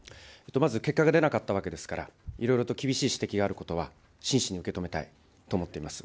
まず結果が出なかったわけですから、いろいろと厳しい指摘があることは真摯に受け止めたいと思っています。